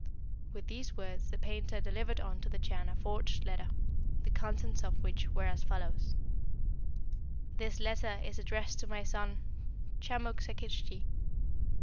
With these words the painter delivered unto the Chan a forged letter, the contents of which were as follows: "'This letter is addressed to my son Chamuk Sakiktschi.